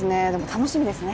楽しみですね。